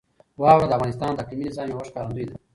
واوره د افغانستان د اقلیمي نظام یوه ښکارندوی ده.